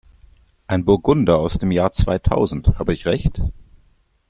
Ein Burgunder aus dem Jahr zweitausend, habe ich recht?